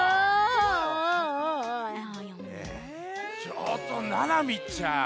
ちょっとななみちゃん